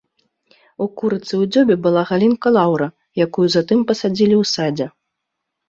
У курыцы ў дзюбе была галінка лаўра, якую затым пасадзілі ў садзе.